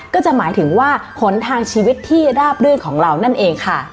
ก็จะหมายถึงว่าหนทางชีวิตที่ราบรื่นของเรานั่นเองค่ะ